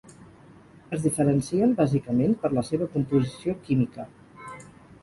Es diferencien, bàsicament, per la seva composició química.